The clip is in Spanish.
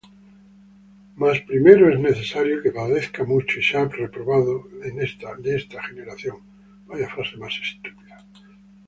Mas primero es necesario que padezca mucho, y sea reprobado de esta generación.